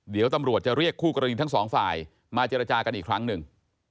เดี๋ยวตำรวจจะเรียกคู่กรณีทั้งสองฝ่ายมาเจรจากันอีกครั้งหนึ่ง